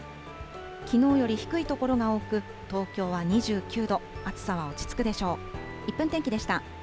きのうより低い所が多く東京は２９度暑さは落ち着くでしょう。